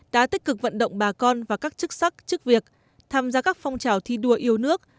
đã tích cực vận động bà con và các chức sắc chức việc tham gia các phong trào thi đua yêu nước